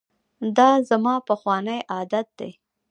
دا زما پخوانی عادت دی.